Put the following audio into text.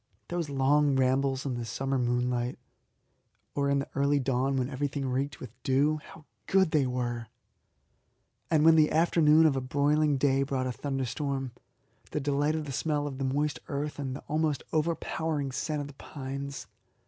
Those long rambles in the summer moonlight, or in the early dawn when everything reeked with dew, how good they were! And when the afternoon of a broiling day brought a thunderstorm, the delight of the smell of the moist earth and the almost overpowering scent of the pines!